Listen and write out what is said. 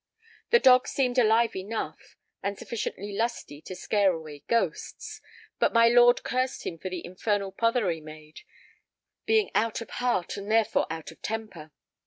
The dog seemed alive enough, and sufficiently lusty to scare away ghosts, but my lord cursed him for the infernal pother he made, being out of heart, and therefore out of temper.